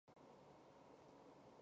担任福建省人民检察院副检察长。